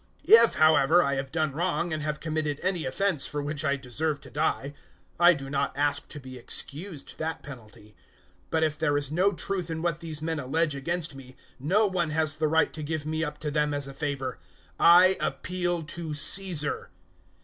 025:011 If, however, I have done wrong and have committed any offence for which I deserve to die, I do not ask to be excused that penalty. But if there is no truth in what these men allege against me, no one has the right to give me up to them as a favour. I appeal to Caesar."